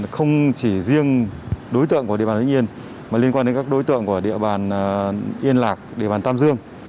không chỉ riêng đối tượng của địa bàn lý yên mà liên quan đến các đối tượng của địa bàn yên lạc địa bàn tam dương